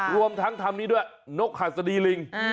รวมทั้งทำนี้ด้วยนกหัสดีลิง